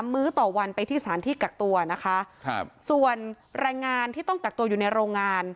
มื้อต่อวันไปที่สถานที่กักตัวนะคะส่วนแรงงานที่ต้องกักตัวอยู่ในโรงงาน